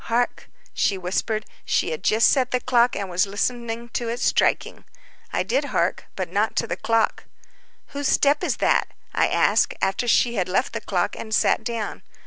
"Hark," she whispered; she had just set the clock, and was listening to its striking. I did hark, but not to the clock. "Whose step is that?" I asked, after she had left the clock, and sat down.